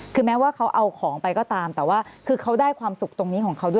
คือแม้ว่าเขาเอาของไปก็ตามแต่ว่าคือเขาได้ความสุขตรงนี้ของเขาด้วย